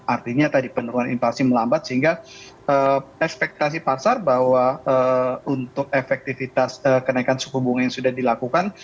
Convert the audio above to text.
artinya tadi penurunan inflasi melambat sehingga ekspektasi pasar bahwa untuk efektivitas kenaikan suku bunga yang sudah dilakukan